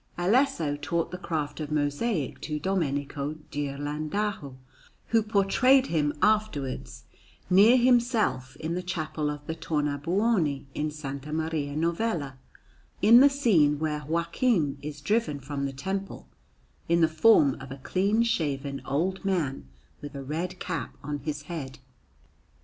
Alesso taught the craft of mosaic to Domenico Ghirlandajo, who portrayed him afterwards near himself in the Chapel of the Tornabuoni in S. Maria Novella, in the scene where Joachim is driven from the Temple, in the form of a clean shaven old man with a red cap on his head.